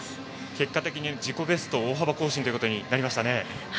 結果的に自己ベストを大幅更新となりましたね。